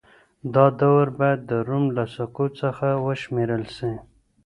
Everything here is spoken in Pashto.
دا دوره بايد د روم له سقوط څخه وشمېرل سي.